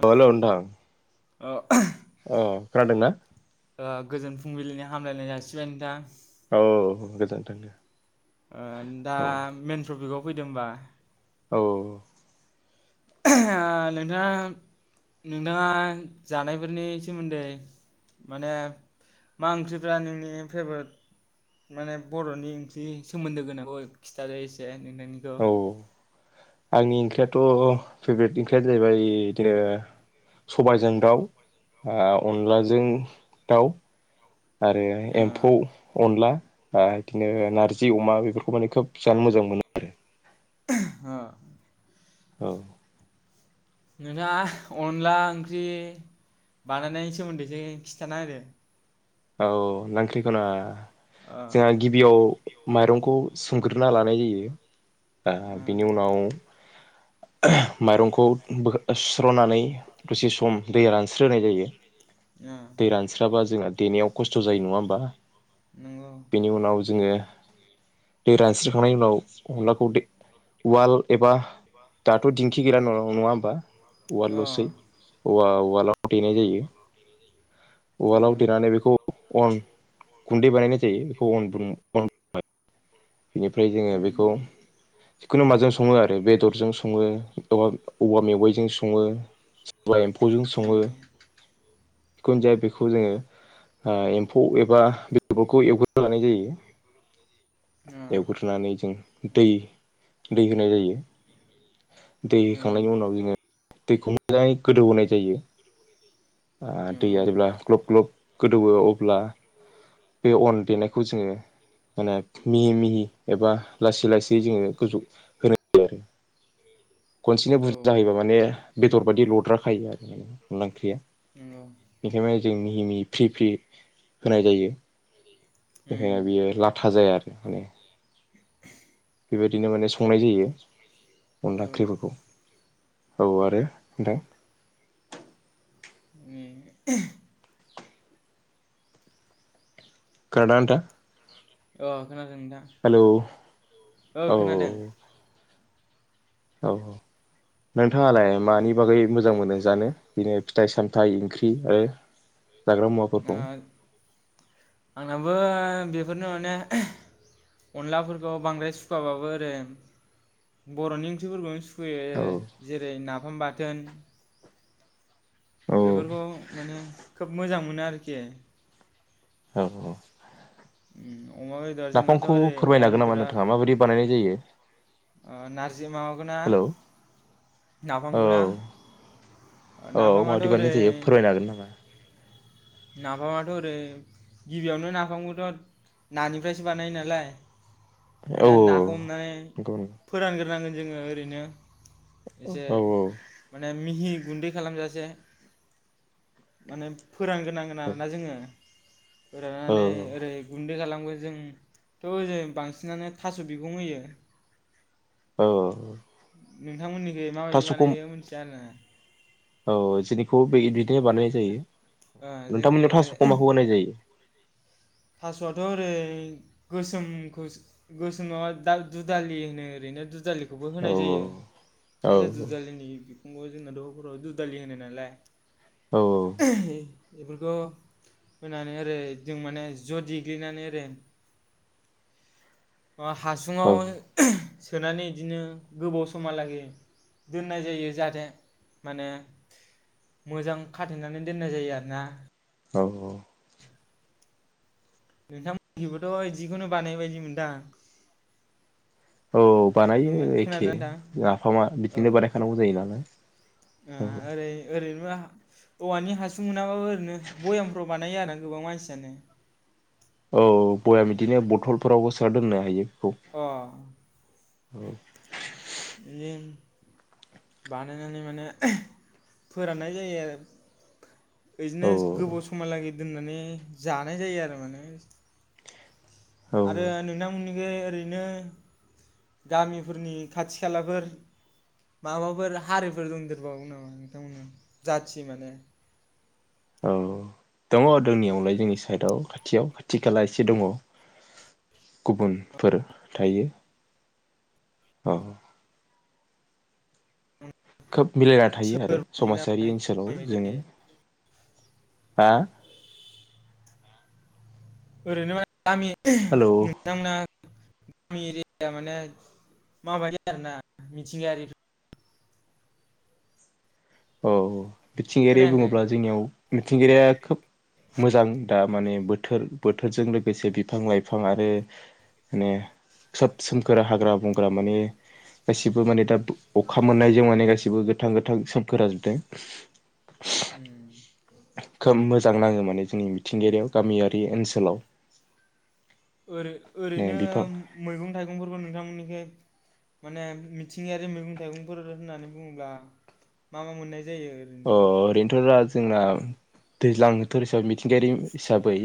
अ hello नोंथां औ अ खोनादोंना? गोजोन फुंबिलिनि हामलायनाय जासिबाय नोंथां औ गोजोन्थों दे ओ औ नोंथां मेन टपिकखौ फैदो होमबा औ औ औ ओ नोंथाङा नोंथाङा जानायफोरनि सोमोन्दै माने मा ओंख्रिफ्रा नोंनि फेभरेट माने बर'नि ओंख्रि सोमोन्दो गोनांखौ खिन्थादो एसे औ [inaudible] आंनि ओंख्रियाथ' फेभ्रेट ओंख्रिया जाहैबाय इदिनो सबायजों दाउ आ अनलाजों दाउ आरो एम्फौ अनला ‌ बा इदिनो नारजि अमा बेफोरखौ माने खोब जानो मोजां मोनो आरो आ औ नोंथाङा अनला ओंख्रि बानायनायनि सोमोन्दै एसे खिथाना होदो। औ नांख्रिखौना जोंहा गिबियाव माइरंखौ सोमगोरना लानाय जायो बा बिनि उनाव माइरंखौ बोखा-सुस्रनानै दसे सम दैया रानस्रोनाय जायो अ दै रान्स्राबा जोंङा देनायाव खस्थ' जायो नङा होमबा? नंगौ बेनि उनाव जोङो दै रानस्रो खांनायनि उनाव अनलाखौ दे उवाल एबा दाथ' दिंखि गैला नङ-नङा होमबा अ उवालल'सै औवा उवालाव देनाय जायो उवालाव नंगौ देनानै बेखौ अन गुन्दै बानायनाय जायो बेखौ अन बुं अन बेनिफ्राय जोङो बेखौ जिखुनु माजों सङो आरो बेदरजों संङो औवा औवा मेवायजों संङो सोरबा एम्फौजों संङो जिखुनु जा या बेखौ जोङो एम्फौ एबा बेदरफोरखौ एवग्रोना लानाय जायो एवग्रोनानै जों दै दै होनाय जायो दै होखांनायनि उनाव जोङो दैखौ मो मोजाङै गोदौहोनाय जायो ओ दैया जेब्ला क्लप क्लप गोदौवो अब्ला बे अन देनायखौ जोङो माने मिहि मिहि एबा लासै लासै जोङो गोजौ होनाय जायो आरो खनसेनो औ बुरजा होयोबा माने बेदर बादि लद्राखायो आरो माने अनदला ओंख्रिया नंगौ। बेखायनो माने जों मि हि मिहि फ्रि फ्रि होनाय जायो उम, बेखाया बियो लाथा जाया आरो [unintelligible] बेदिनो माने संनाय जायो औ अनला ओख्रिफोरखौ औ आरो नोंथां उम खोनादों ना नोंथा अ खोनादों नोंथां हेलौ औ औ औ नोंथाङा लाय ओ मानि बागै मोजां मोनो जानो बिदिनो फिथाइ साम थाइ ओंख्रि आरो जाग्रा मुवाफोरखौ आंनाबो बेफोरनो माने अनलाफोरखौ बांद्राय सुखाबाबो आरो बरनि ओंख्रिफोरखौनो सुखु औ फुयो जेरै नाफाम बाथो दोन औ बेफोरखौ माने खोब मोजां उन [inaudible] आरोखि औ उम अमा बेदर जोंनाथ नाफामखौ ओरै अमा फोरमायनो हागोन नामा बेदरा नोंथाङा माबायदि बानायनाय जायो ओ नारजि माबाखौना हेलौ औ नाफामखौ ना औ नाफामाथ माबायदि बानायनाय ओरै जायो फोरमायनो हागोन नामा नाफामाथ ओरै गिबियावनो नाफामखौथ नानिफ्रायसो बानायो नालाय औ माने औ नाखौ हमनानै नंगौ नंगौ फोरानग्रोनांगोन जोंङो ओरैनो एसे औ माने मिहि गुन्दै खालामजासे माने फोरानग्रोनांगोन आरोना जोंङो औ फोराननानै ओरै गुन्दै खाला जोंथ बांसिनानो थास बिगं होयो औ उम नोंथांमोननिखै माबायदि थास'खौ बानायो मिथिया आरो ना औ [unintelligible] बिदिनो बानायनाय जायो नोंथांमोननियाव थासखौ जोंनिखै माखौ होनाय जायो थासआथ ओरै गोसोमखौ गोसोम नंङा दा दुदालि होनो ओरैनो दुदालिखौ बेखौबो औ होनाय जायो औ थास दुदालिनि [inaudible] दुदालि होनाय नालाय। औ [unintelligible] बेफोरखौ होनानै ओरै जों माने ज देग्लिनानै ओरै अ औ हासुङाव सोनानै बिदिनो गोबाव समहालागै दोननाय जायो जाहाथे माने मोजां खाथेनानै दोननाय जायो आरोना। औ औ नोंथांमोननिखैबोथ' इदिखौनो बानायो बायदि मोनदां। औ नों बानायो एखे खोनादोंना नोंथां? नाफामा बिदिनो ओ बानायखानांगौ जायो नालाय ओ औ ‌ ओरै ओरैनोबा औवानि हासुं मोनाबाबो ओरैनो बयामफ्राव बानायो आरो गोबां मानसियानो। औ बयाम बिदिनो बथलफोरावबो सोना दोननो हायो। अ औ बिदिनो बानायनानै माने फोराननाय जायो आरो। औ बिदिनो गोबाव समा लागै। दोननानै जानाय जायो आरो माने। औ आरो नोंथांमोननि ओरैनो गामिफोरनि खाथि खालाफोर माबाफोर हारिफोर दंदेरबावो नामा नोंथांमोना जाथि माने? औ दङ दंनायावलाय जोंनि साइदआव खाथियाव खाथि खाला एसे दङ गुबुनफोर थायो। औ। खोब मिलायना थायो आरो सोर बायदि ना समाजारि ओनसोलाव माने जोङो हा ओरैनो गामि हेलौ नोंथांमोना गामि एरिया माने माबायदि आरोना मिथिंगायारि औ औ। मिथिंगायारि खोनायाखै बुङोब्ला जोंनियाव मिथिंगायारिया खोब मोजां दा माने बोथोर बोथोरजों लोगोसे बिफां लाइफां आरो माने सब सोमखोर हाग्रा बंग्रा माने गासिबो माने दा अखा मोननायजों माने गासिबो गोथां गोथां [inaudible] उम खोब मोजां नाङो माने जोंनि मिथिंगायारियाव गामियारि ओनसोलाव। ओरै ने ओरैनो बिफां मैगं थाइगंफोरखौ नोंथांमोननिखै माने मिथिंगायारि मैगं थाइगंफोर होननानै बुङोब्ला मा मा मोननाय जायो अ ओरैनो ओरैनोथ' जोंना दैज्लां बोथोर हिसाबै मिथिंगायारि हिसाबै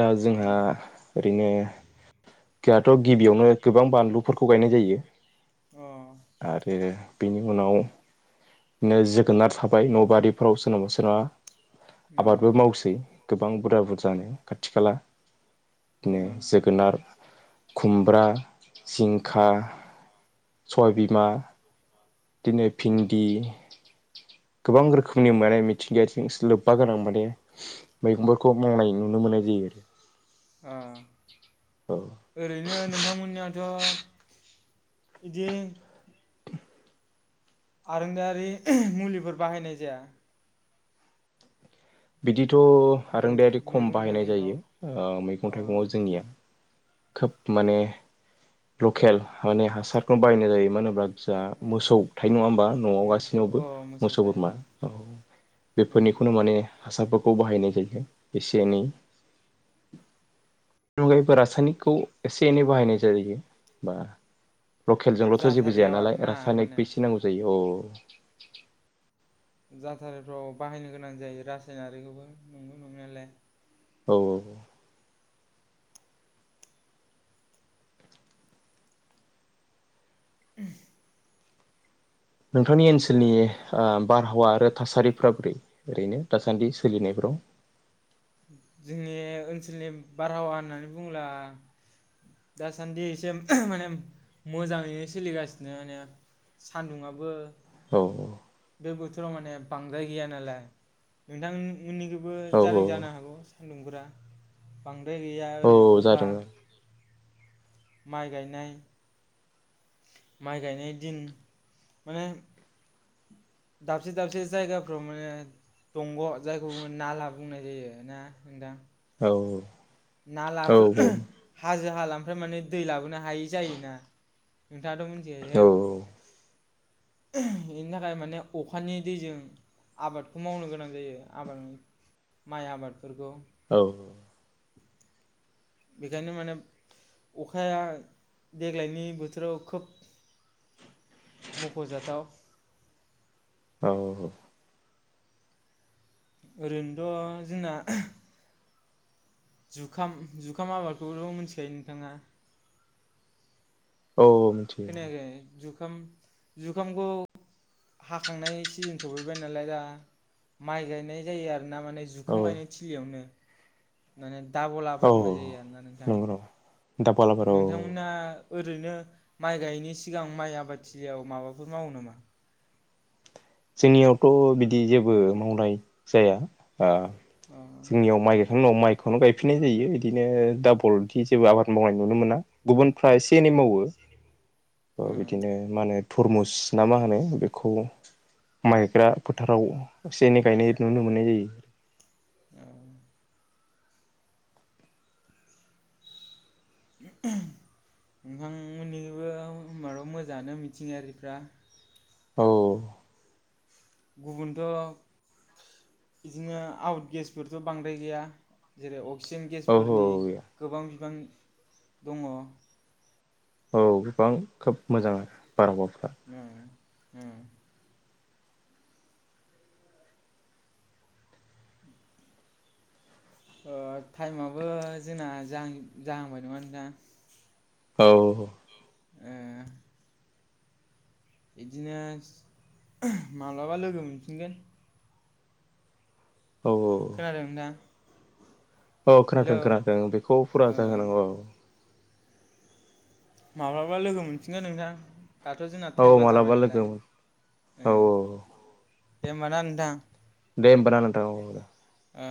दा जोंहा ओरैनो गोहाथ' गिबियावनो गोबां बानलुफोरखौ गायनाय जायो अ आरो बिनि उनाव बिदिनो जोगोनार साब बाय न' बारिफोराव सोरनावबा सोरा अ आबादबो मावसै गोबां बुरजा बुरजानो खाथि खाला बिदिनो जोगोनार खुमब्रा जिंखा सबाय बिमा बिदिनो भिन्दि गोबां रोखोमनि माने मिथिंगायारिजों लोब्बा गोनां माने मैगंफोरखौ मावनाय नुनो मोननाय जायो आरो ओ ओरैनो नोंथांमोननिया [inaudible] इदि आरोंदायारि मुलिफोर बाहायनाय जाया बिदि खिन्थु आरोंदायारि खम मैगं बाहायनाय थाइगंफ्राव जायो ओ मैगं अ थाइगं आव जोंनिया खोब माने लकेल माने हासारखौ बायनाय जायो मानो होनोब्ला जा अ मोसौ थायो नङा होमबा न'आव मोसौ गाससिनावबो अ मोसौ थायो बोरमा औ ओं बेफोरनिखौनो माने हासारफोरखौ बाहायनाय जायो एसे एनै [unintelligible] रासायनिकखौ एसे एनै बाहायनाय जायो बा लकेलजोंलथ जेबो जाया जाथारियाव नालाय आरोना माने रासायनिकबो एसे नांगौ जायो अ [unintelligible] जाथारिफ्राव बाहायनो गोनां जायो रासायनारिखौबो नंगौ नंनायालाय औ [unintelligible] नोंथांनि ओनसोलनि ओ बारहावा आरो थासारिफ्रा बोरै ओरैनो दासान्दि सोलिनायफोराव जोंनि ओनसोलनि बारहावा होननानै बुंला दासान्दि एसे माने मोजाङैनो सोलिगासिनो माने सानदुंङाबो औ बोथोराव माने बांद्राय गैया नालाय नोंथां उननिखोबो औ जादों जानो हा सान्दुंफोरा बां ओमाय गैया औ ओरै औ अखा जादों माइ गायनाय माइ गायनाय दिन माने दाबसे दाबसे जायगाफ्राव माने दंग जायखौ बुङो ना लाब बुंनाय जायो ना नोंथां औ औ ना औ लाफोर बुं [inaudible] हाजो हालानिफ्राय माने दै लाबोनो हायि जायोना नोंथांआथ' मिथिखायो औ इनि थाखाय माने अखानि दैजों आबादखौ मावनो गोनां जायो आबाद माइ आबादफोरखौ। औ बेखायनो माने अखाया देग्लायनि बोथोराव खोब मख'जाथाव। औ औ औ ओरैनोथ' जोंना जुखाम जुखाम आबादखौथ' मिथिखायो नोंथाङा? औ औ मिथिखायो। खोनायाखै जुखाम जुखामखौ हाखांनाय सिजोन सफैबाय नालाय दा माइ गायनाय जायो आरो। ना माने औ जुखाम गायनाय थिलियावनो माने दाबल आबाद मावनाय जायो आरोना नोंथां? दाबल आबाद औ औ औ नोंथांमोना ओरैनो माइ गायिनि सिगां माइ आबादथिलियाव माबाफोर मावो नामा? जोंनियावथ' बिदि जेबो मावनाय जाया। ओ अ जोंनियाव माइ बिफां दं माइ खौनो गायफिननाय जायो बिदिनो दाबल थि जेबो आबाद मावनाय नुनो मोना गुबुन फ्रा एसे एनै मावो ओ उम बिदिनो मा होनो? थरमुस ना मा होनो बेखौ मायग्रा फोथाराव एसे एनै गायनाय नुनो मोननाय जायो। औ नोंथांमोननिबो होनबाथ' मोजाङानो मिथिंगायारिफ्रा औ गुबुनथ' बिदिनो आउट गेसफोरथ' बांद्राय गैया जेरै अक्सिजेन औ गेसफोरनि औ गोबां बिबां दङ। औ गोबां खोब मोजां। बारहावाफोरा उम्म ओ टाइमाबो जोंना जाहां जाहांबाय नामा नोंथां? औ ओ बिदिनो माब्लाबा लोगो मोनफिनगोन। औ खोनादों नोंथां? औ हेलौ खोनाथों खोनाथों बेखौ फुरा ओ जाहोनांगौ औ। माब्लाबा लोगो मोनफिनगोन नोंथां। दाथ' जोंना औ टाइमा जाबाय मालाबा लोगो नालाय ओ औ दे होमबा ना नोंथां? दे होमबाना नोंथां औ। ओ।